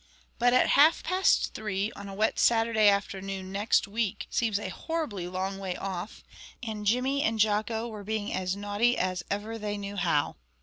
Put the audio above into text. But at half past three on a wet Saturday afternoon next week seems a horribly long way off, and Jimmy and Jocko were being as naughty as ever they knew how.